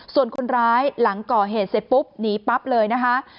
ส่วนคนร้ายหลังก่อเหตุเสร็จปุ๊บหนีปั๊บเลยนะคะ